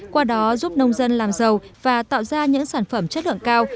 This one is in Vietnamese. qua đó giúp nông dân làm giàu và tạo ra những sản phẩm chất lượng cao